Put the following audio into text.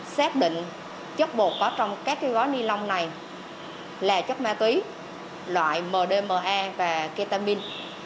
xác định chất bột có trong các gói ni lông này là chất ma túy loại mdma và ketamin